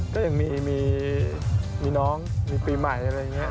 ก็ยังมีน้องมีปีใหม่อะไรอย่างนี้